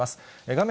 画面